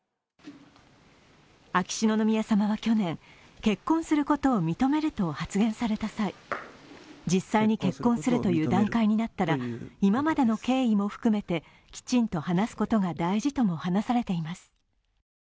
秋篠宮さまは去年、結婚することを認めると発言された際実際に結婚するという段階になったら、今までの経緯も含めてきちんと話すことが大事とも話されています。